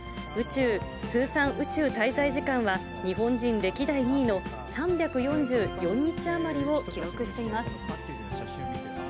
通算宇宙滞在時間は、日本人歴代２位の３４４日余りを記録しています。